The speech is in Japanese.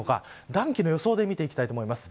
暖気の予想で見ていきます。